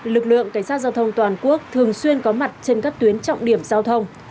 lực lượng cảnh sát giao thông toàn quốc thường xuyên có mặt trên các tuyến trọng điểm giao thông